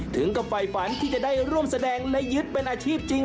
ถึงก็ไฟฝันที่จะได้ร่วมแสดงในยึดเป็นอาชีพจริง